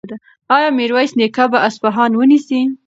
ایا میرویس نیکه به اصفهان ونیسي؟